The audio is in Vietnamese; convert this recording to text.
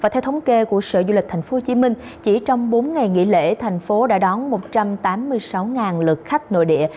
theo thống kê của sở du lịch tp hcm chỉ trong bốn ngày nghỉ lễ thành phố đã đón một trăm tám mươi sáu lượt khách nội địa